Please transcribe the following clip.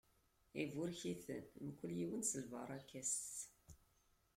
Iburek-iten, mkul yiwen s lbaṛaka-s.